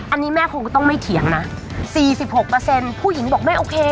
อันนี้แม่คงต้องไม่เถียงนะสี่สิบหกเปอร์เซ็นต์ผู้หญิงบอกแม่โอเค